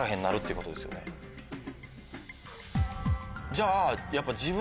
じゃあやっぱ。